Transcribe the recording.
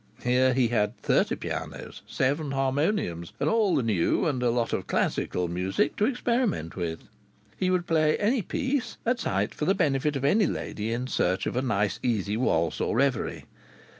Here he had thirty pianos, seven harmoniums, and all the new and a lot of classical music to experiment with. He would play any "piece" at sight for the benefit of any lady in search of a nice easy waltz or reverie.